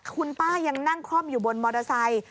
คุณป้ายังนั่งคล่อมอยู่บนมอเตอร์ไซค์